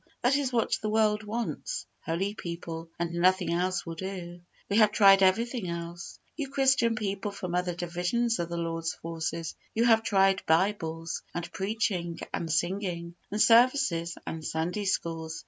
This is what the world wants holy people; and nothing else will do. We have tried everything else. You Christian people from other divisions of the Lord's forces, you have tried Bibles, and preaching, and singing, and services, and Sunday schools.